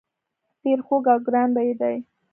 ډیر خوږ او ګران بیه دي.